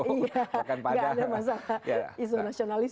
tidak ada masalah isu nasionalis